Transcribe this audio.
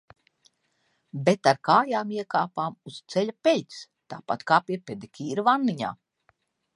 Bet ar kājām iekāpām uz ceļa peļķes. Tāpat kā pie pedikīra vanniņā.